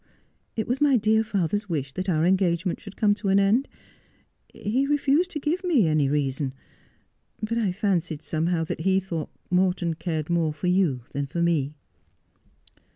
It was my dear father's wish that our engagement should come to an end. He refused to give me any reason : but I fancied, somehow, that he thought Morton cared more for you than for me.'